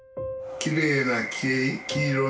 きれいな黄色い。